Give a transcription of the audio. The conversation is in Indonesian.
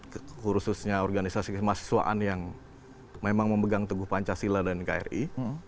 khususnya organisasi kemahasiswaan yang memang memegang teguh pancasila dan nkri